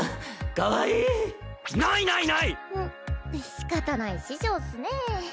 しかたない師匠っスねぇ。